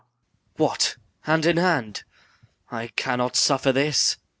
MATHIAS. What, hand in hand! I cannot suffer this.